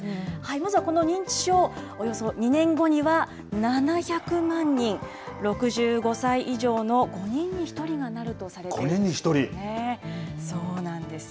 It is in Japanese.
まずはこの認知症、およそ２年後には７００万人、６５歳以上の５人に１人がなるとされているんですね。